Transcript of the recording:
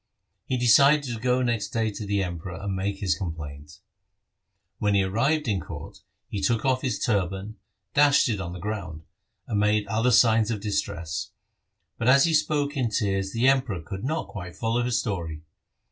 He decided to go next day to the Emperor, and make his complaint. When he arrived in court he took off his turban, dashed it on the ground, and made other signs of distress, but as he spoke in tears the Emperor could not quite follow his story.